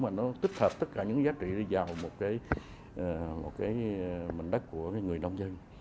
mà nó tích hợp tất cả những giá trị đi vào một cái mảnh đất của người nông dân